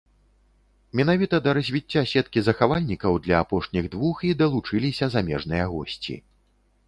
Менавіта да развіцця сеткі захавальнікаў для апошніх двух і далучыліся замежныя госці.